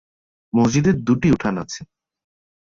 মসজিদের দুটি উঠান আছে।